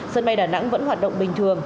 sân bay đà nẵng vẫn hoạt động bình thường